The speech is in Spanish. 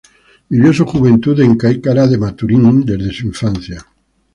Vivió su juventud en Caicara de Maturín desde su infancia.